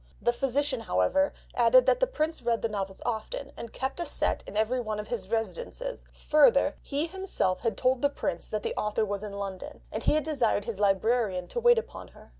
The physician, however, added that the Prince read the novels often, and kept a set in every one of his residences, further, he himself had told the Prince that the author was in London, and he had desired his librarian to wait upon her.